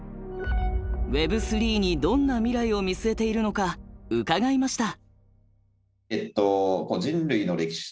Ｗｅｂ３にどんな未来を見据えているのか伺いました。